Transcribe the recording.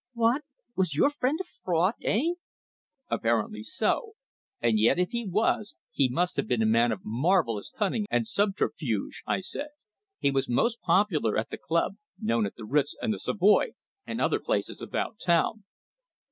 "What? Was your friend a fraud, eh?" "Apparently so. And yet, if he was, he must have been a man of marvellous cunning and subterfuge," I said. "He was most popular at the club, known at the Ritz and the Savoy, and other places about town."